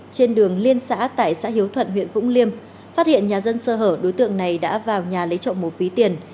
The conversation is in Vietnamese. trên đường liên xã tại xã hiếu thuận huyện vũng liêm phát hiện nhà dân sơ hở đối tượng này đã vào nhà lấy trộm một ví tiền